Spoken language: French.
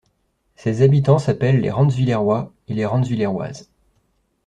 Ses habitants s'appellent les Rantzwillerois et les Rantzwilleroises.